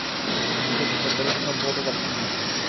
বুঝেছি, ছদ্মবেশে সভ্য হতে যাচ্ছিস বুঝি।